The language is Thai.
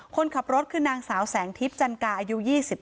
คนขับรถคือนางสาวแสงทิพย์จันกาอายุ๒๙